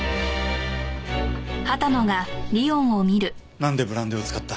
なんでブランデーを使った？